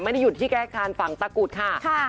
ไม่ได้หยุดที่แก้คานฝั่งตะกุดค่ะ